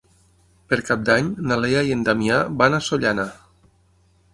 Per Cap d'Any na Lea i en Damià van a Sollana.